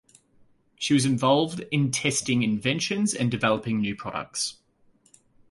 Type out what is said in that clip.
She was involved in testing inventions and developing new products.